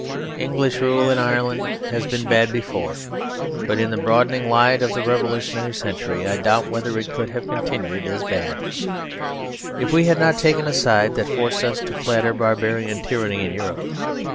English rule in Ireland had been bad before; but in the broadening light of the revolutionary century I doubt whether it could have continued as bad, if we had not taken a side that forced us to flatter barbarian tyranny in Europe.